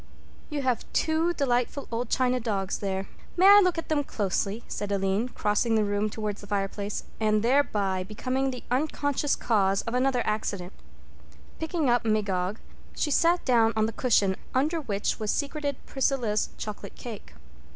"You have two delightful old china dogs there. May I look at them closely?" said Aline, crossing the room towards the fireplace and thereby becoming the unconscious cause of the other accident. Picking up Magog, she sat down on the cushion under which was secreted Priscilla's chocolate cake.